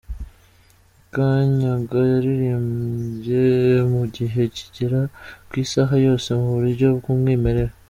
Makanyaga yaririmbye mu gihe kigera ku isaha yose mu buryo bw’umwimerere.